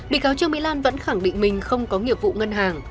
bị cáo trương mỹ lan vẫn khẳng định mình không có nghiệp vụ ngân hàng